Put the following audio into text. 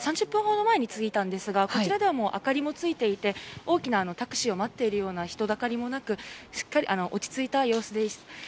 ３０分ほど前に着いたんですがこちらでは明かりもついていて大きなタクシーを持っているような人だかりもなく落ち着いた様子です。